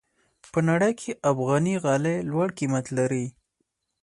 په نړۍ کې افغاني غالۍ لوړ قیمت لري.